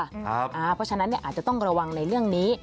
เพราะฉะนั้นอาจจะต้องระวังในเรื่องนี้